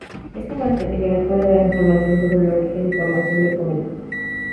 Este material puede dar información sobre el origen y formación del cometa.